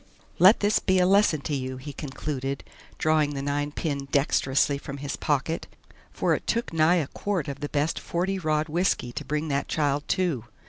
"Let this be a lesson to you," he concluded, drawing the ninepin dexterously from his pocket, "for it took nigh a quart of the best forty rod whisky to bring that child to."